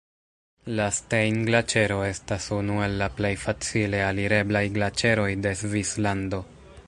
La Stein-Glaĉero estas unu el la plej facile alireblaj glaĉeroj de Svislando.